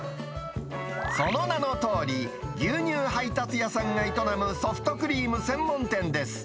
その名のとおり、牛乳配達屋さんが営むソフトクリーム専門店です。